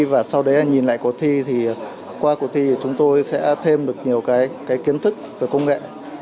và sau đấy nhìn lại cuộc thi qua cuộc thi chúng tôi sẽ thêm được nhiều kiến thức và công nghệ